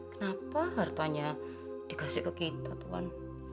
kenapa hartanya dikasih ke kita tuhan